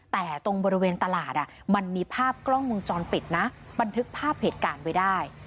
แต่ตรงบริเวณตลาดมันมีภาพกล้องวงจรปิดนะบันทึกภาพเหตุการณ์ไว้ได้